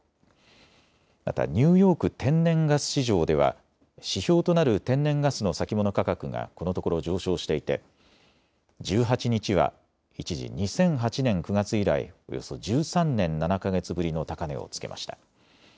またニューヨーク天然ガス市場では指標となる天然ガスの先物価格がこのところ上昇していて１８日は一時２００８年９月以来、およそ１３年７か月ぶりの高値をつけました。